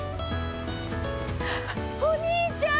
お兄ちゃん！